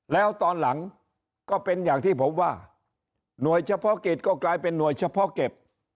แล้วตอนหลังก็เป็นอย่างที่ผมว่าหน่วยเฉพาะกิจก็กลายเป็นหน่วยเฉพาะเก็บ